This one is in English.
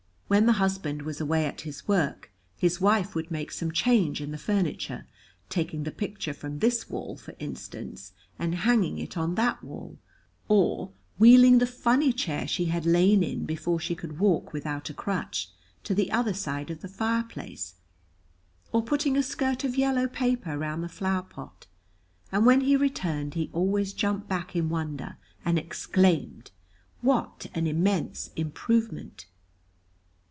When the husband was away at his work, his wife would make some change in the furniture, taking the picture from this wall, for instance, and hanging it on that wall, or wheeling the funny chair she had lain in before she could walk without a crutch, to the other side of the fireplace, or putting a skirt of yellow paper round the flower pot, and when he returned he always jumped back in wonder and exclaimed: "What an immense improvement!"